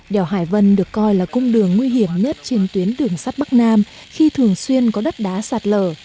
đèo hải vân được coi là cung đường nguy hiểm nhất trên tuyến đường sắt bắc nam khi thường xuyên có đất đá sạt lở